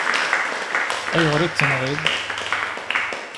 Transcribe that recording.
Ayɣer i t-tenɣiḍ?